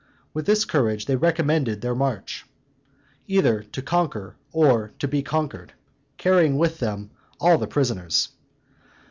With this courage they recommenced their march, either to conquer or be conquered; carrying with them all the prisoners.